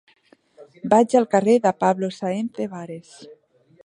Vaig al carrer de Pablo Sáenz de Barés.